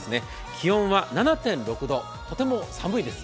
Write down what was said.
気温は７．６度、とても寒いです。